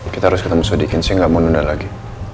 kita harus ke tempat masudikin saya nggak mau nunda lagi